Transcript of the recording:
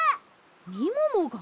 みももが？